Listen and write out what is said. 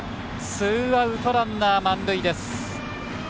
ツーアウト、ランナー、満塁。